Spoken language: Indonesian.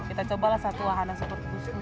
kita cobalah satu wahana seperti kusuma